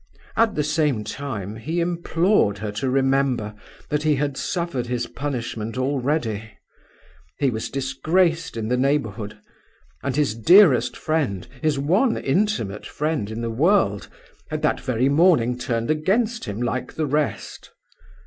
At the same time he implored her to remember that he had suffered his punishment already. He was disgraced in the neighborhood; and his dearest friend, his one intimate friend in the world, had that very morning turned against him like the rest.